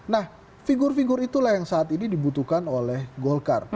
nah figur figur itulah yang saat ini dibutuhkan oleh golkar